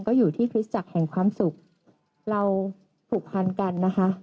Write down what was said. ก็อยู่ที่คริสตจักรแห่งความสุขเราผูกพันกันนะคะ